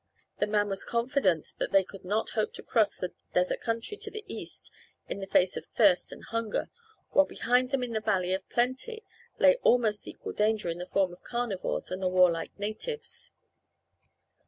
The man was confident that they could not hope to cross the desert country to the east in the face of thirst and hunger, while behind them in the valley of plenty lay almost equal danger in the form of carnivores and the warlike natives.